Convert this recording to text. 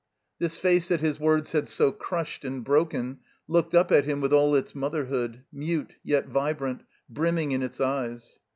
This face that his words had so crushed and broken looked up at him with all its motherhood, mute yet vibrant, brimming in its eyes.